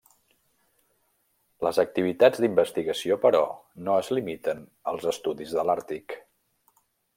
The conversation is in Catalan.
Les activitats d'investigació, però, no es limiten als estudis de l'Àrtic.